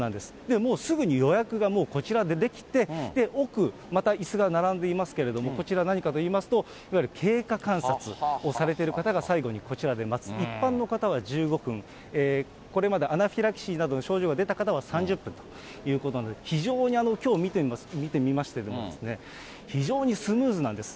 もうすぐに予約が、もうこちらでできて、奥、またいすが並んでますけども、こちら何かといいますと、いわゆる経過観察をされてる方が最後にこちらで待つ、一般の方は１５分、これまでアナフィラキシーなどの症状が出た方は３０分ということなので、非常に、きょう見てみましても、非常にスムーズなんです。